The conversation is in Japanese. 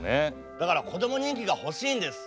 だからこども人気が欲しいんです。